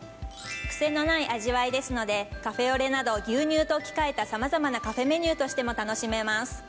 クセのない味わいですのでカフェオレなど牛乳と置き換えたさまざまなカフェメニューとしても楽しめます。